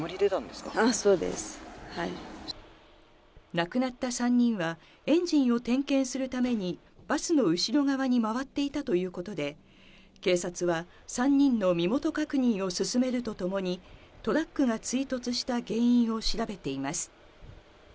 亡くなった３人はエンジンを点検するためにバスの後ろ側に回っていたということで、警察は３人の身元確認を進めるとともに、トラックが追突した原因を調べています。